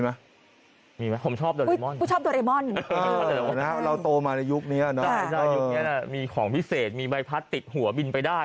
ดับความชอบโดรงมอนด์หรือหรือเราโตมาในยุคนี้ได้มีของพิเศษมีไว้พักติดหัวบินไปได้